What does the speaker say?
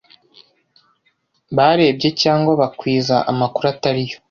barebye cyangwa bakwiza amakuru atari yo